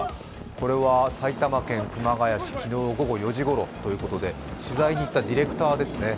これは埼玉県熊谷市、昨日午後４時ごろということで取材に行ったディレクターですね。